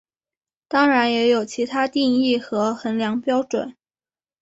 当然也有其它定义和衡量标准。